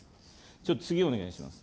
ちょっと次お願いします。